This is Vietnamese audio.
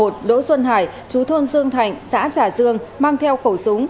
đỗ xuân hải chú thôn dương thạnh xã trà dương mang theo khẩu súng